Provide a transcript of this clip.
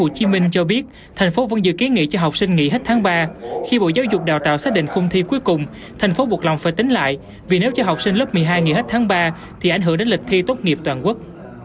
tp hcm cho biết thành phố vẫn giữ kiến nghị cho học sinh nghỉ hết tháng ba khi bộ giáo dục đào tạo xác định khung thi cuối cùng thành phố buộc lòng phải tính lại vì nếu cho học sinh lớp một mươi hai nghỉ hết tháng ba thì ảnh hưởng đến lịch thi tốt nghiệp toàn quốc